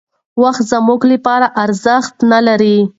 وخت زموږ لپاره ارزښت نهلري.